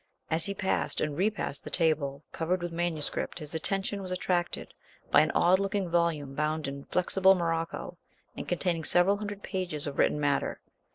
As he passed and repassed the table covered with manuscript his attention was attracted by an odd looking volume bound in flexible morocco and containing several hundred pages of written matter.